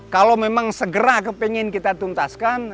kalau memang segera kepengen kita tuntaskan